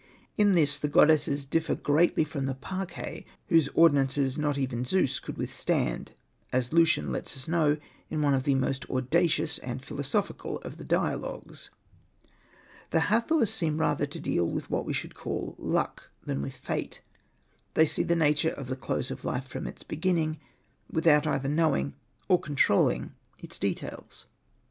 In this these goddesses differ greatly from the Parcae, whose ordinances not even Zeus could withstand, as Lucian lets us know in one of the most audacious and philosophical of the dialogues. ^ The Hathors seem rather to deal with what we should call luck than with fate : they see the nature of the close of life from its beginning, without either knowing or controlling its details.